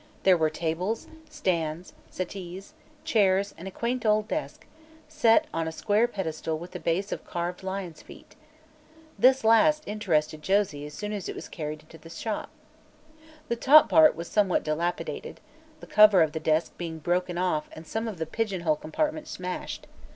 There were tables, stands, settees, chairs, and a quaint old desk, set on a square pedestal with a base of carved lions' feet. This last interested Josie as soon as it was carried into the shop. The top part was somewhat dilapidated, the cover of the desk being broken off and some of the "pigeonhole" compartments smashed.